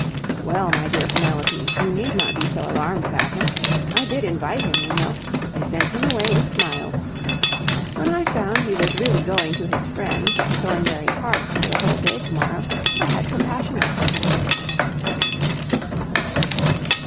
"Well, my dear Penelope, you need not be so alarmed about him. I did invite him, you know. I sent him away with smiles. When I found he was really going to his friends at Thornberry Park for the whole day to morrow, I had compassion on him."